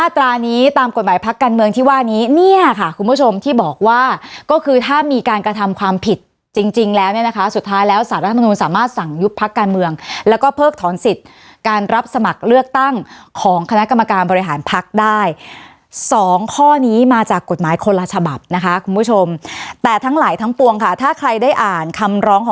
ตรานี้ตามกฎหมายพักการเมืองที่ว่านี้เนี่ยค่ะคุณผู้ชมที่บอกว่าก็คือถ้ามีการกระทำความผิดจริงแล้วเนี่ยนะคะสุดท้ายแล้วสารรัฐมนุนสามารถสั่งยุบพักการเมืองแล้วก็เพิกถอนสิทธิ์การรับสมัครเลือกตั้งของคณะกรรมการบริหารพักได้สองข้อนี้มาจากกฎหมายคนละฉบับนะคะคุณผู้ชมแต่ทั้งหลายทั้งปวงค่ะถ้าใครได้อ่านคำร้องห